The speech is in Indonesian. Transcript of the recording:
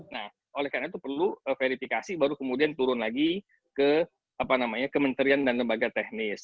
nah oleh karena itu perlu verifikasi baru kemudian turun lagi ke kementerian dan lembaga teknis